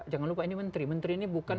jangan lupa ini menteri menteri ini bukan